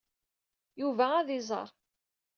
Yuba ad iẓer.